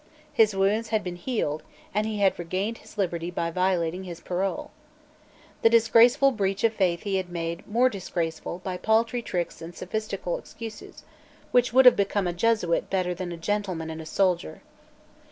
His wounds had been healed; and he had regained his liberty by violating his parole. This disgraceful breach of faith he had made more disgraceful by paltry tricks and sophistical excuses which would have become a Jesuit better than a gentleman and a soldier.